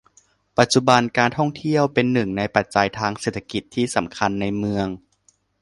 ปัจจุบัน การท่องเที่ยวเป็นหนึ่งในปัจจัยทางเศรษฐกิจที่สำคัญในเมือง